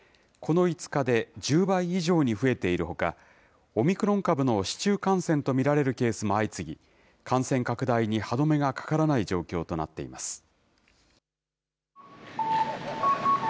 この５日で１０倍以上に増えているほか、オミクロン株の市中感染と見られるケースも相次ぎ、感染拡大に歯止めがかからない状況となっています。